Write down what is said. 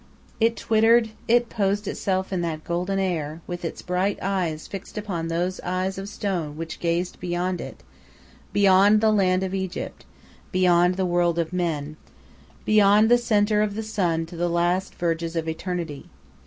It twittered, it posed itself in the golden air, with its bright eyes fixed upon those eyes of stone which gazed beyond it, beyond the land of Egypt, beyond the world of men, beyond the centre of the sun to the last verges of eternity.